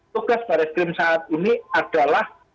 tugas baris krim saat ini adalah